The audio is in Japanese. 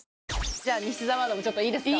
じゃあ西澤アナもちょっといいですか？